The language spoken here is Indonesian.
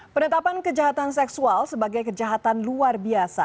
penetapan kejahatan seksual sebagai kejahatan luar biasa